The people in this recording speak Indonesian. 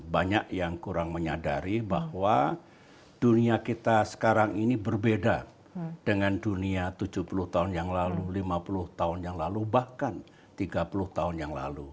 banyak yang kurang menyadari bahwa dunia kita sekarang ini berbeda dengan dunia tujuh puluh tahun yang lalu lima puluh tahun yang lalu bahkan tiga puluh tahun yang lalu